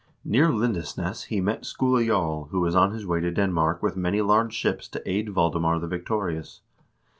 Near Lindesness he met Skule Jarl, who was on his way to Denmark with many large ships to aid Valdemar the Victorious.